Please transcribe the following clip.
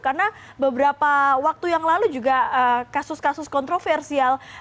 karena beberapa waktu yang lalu juga kasus kasus kontroversial